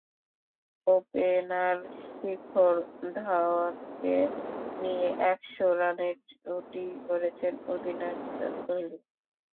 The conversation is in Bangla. ওপেনার শিখর ধাওয়ানকে নিয়ে একশত রানের জুটি গড়েছেন অধিনায়ক বিরাট কোহলি।